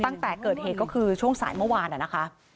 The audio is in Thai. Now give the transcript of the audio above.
ตั้งแต่เกิดเหตุก็คือช่วงสายเมื่อวานนะคะ